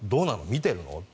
見てるの？と。